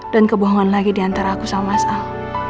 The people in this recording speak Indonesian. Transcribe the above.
dan kebohongan lagi diantara aku sama mas al